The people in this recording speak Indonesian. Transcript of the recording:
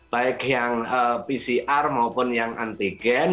baik yang pcr maupun yang antigen